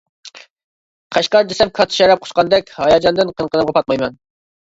«قەشقەر» دېسەم، كاتتا شەرەپ قۇچقاندەك، ھاياجاندىن قىن-قىنىمغا پاتمايمەن.